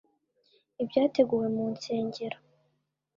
ibyateguwe mu nsengero